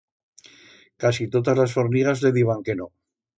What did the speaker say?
Casi totas las fornigas le diban que no.